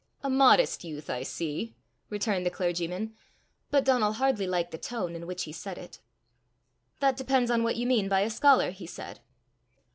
"A modest youth, I see!" returned the clergyman; but Donal hardly liked the tone in which he said it. "That depends on what you mean by a scholar," he said.